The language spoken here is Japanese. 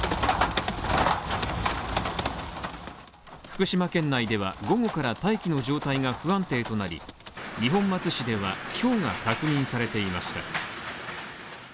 福島県内では午後から大気の状態が不安定となり、二本松市ではひょうが確認されていました。